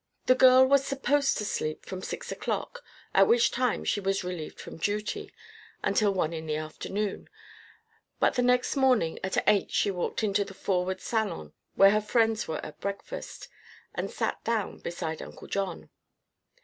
The girl was supposed to sleep from six o'clock at which time she was relieved from duty until one in the afternoon, but the next morning at eight she walked into the forward salon, where her friends were at breakfast, and sat down beside Uncle John.